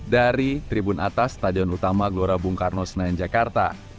dari tribun atas stadion utama gelora bung karno senayan jakarta